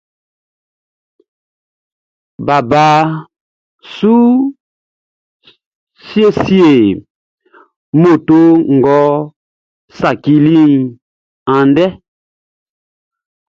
Baba su siesie moto ngʼɔ saciliʼn andɛ.